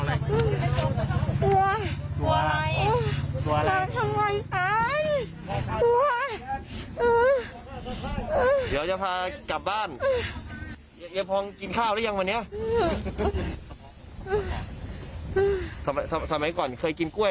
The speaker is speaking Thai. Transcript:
และทำไมทั้งวันไม่เข้าเลยมาเข้าตอนเนี้ย